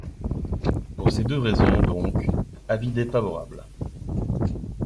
Pour ces deux raisons, donc, avis défavorable.